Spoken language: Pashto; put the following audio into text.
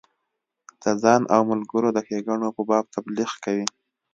د ځان او ملګرو د ښیګڼو په باب تبلیغ کوي.